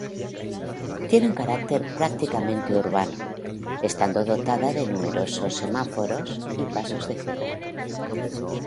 Tiene un carácter prácticamente urbano, estando dotada de numerosos semáforos y pasos de cebra.